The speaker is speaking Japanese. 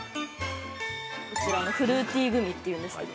こちら、フルーティーグミというんですけど。